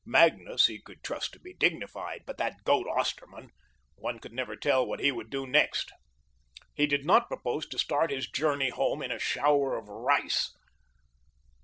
Magnus, he could trust to be dignified, but that goat Osterman, one could never tell what he would do next. He did not propose to start his journey home in a shower of rice.